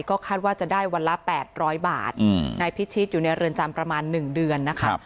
ก็คาดว่าจะได้วันละ๘๐๐บาทนายพิชิตอยู่ในเรือนจำประมาณ๑เดือนนะคะ